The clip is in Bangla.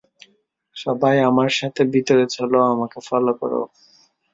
সবাই আমার সাথে ভিতরে চলো, আমাকে ফলো করো।